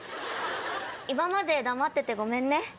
今まで黙っててごめんね。